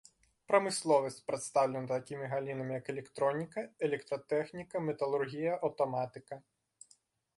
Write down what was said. Прамысловасць прадстаўлена такімі галінамі як электроніка, электратэхніка, металургія, аўтаматыка.